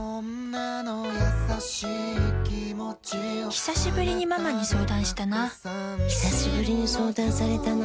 ひさしぶりにママに相談したなひさしぶりに相談されたな